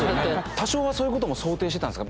多少はそういうことも想定してたんですか？